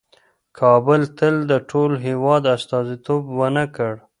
کابل تل د ټول هېواد استازیتوب ونه کړ.